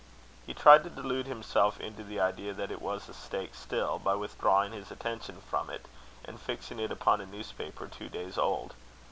He tried to delude himself into the idea that it was a steak still, by withdrawing his attention from it, and fixing it upon a newspaper two days old.